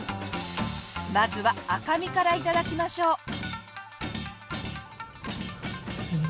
まずは赤身から頂きましょう。